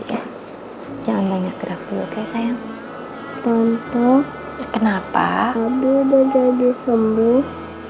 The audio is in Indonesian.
kasih ya jangan banyak gerak dulu ke sayang tonto kenapa udah jadi sembuh